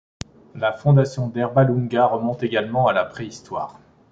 La fondation d'Erbalunga remonte également à la préhistoire.